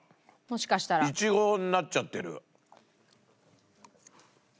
いちごになっちゃってる。